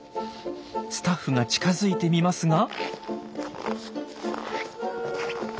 スタッフが近づいてみますが。